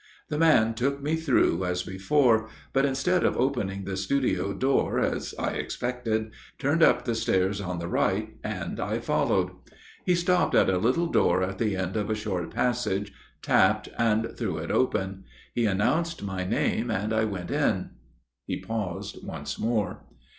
The man took me through as before, but instead of opening the studio door, as I expected, turned up the stairs on the right, and I followed. He stopped at a little door at the end of a short passage, tapped, and threw it open. He announced my name and I went in." He paused once more.